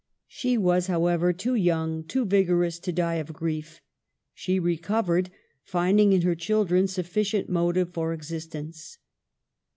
She was, how ever, too young, too vigorous, to die of grief. She recovered, finding in her children sufficient motive for existence.